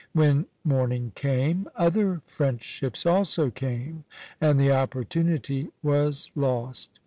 When morning came, other French ships also came, and the opportunity was lost.